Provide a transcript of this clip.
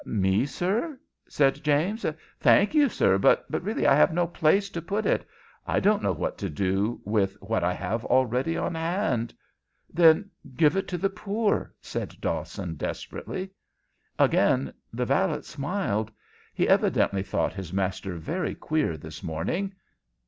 "Me, sir?" said James. "Thank you, sir, but really I have no place to put it. I don't know what to do with what I have already on hand." "Then give it to the poor," said Dawson, desperately. Again the valet smiled. He evidently thought his master very queer this morning.